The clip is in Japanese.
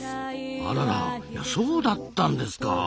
あららそうだったんですか。